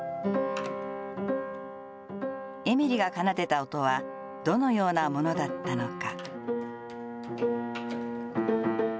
エミリが奏でた音はどのようなものだったのか。